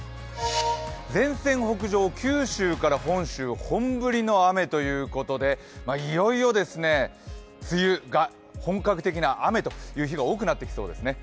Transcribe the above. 前線北上、九州から本州本降りの雨ということでいよいよ梅雨が本格的な雨という日が多くなってきそうですね。